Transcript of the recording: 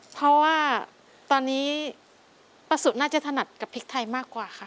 เพราะว่าตอนนี้ปลาสุน่าจะถนัดกับพริกไทยมากกว่าค่ะ